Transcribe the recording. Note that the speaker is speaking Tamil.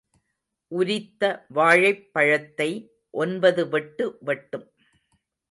உரித்த வாழைப் பழத்தை ஒன்பது வெட்டு வெட்டும்.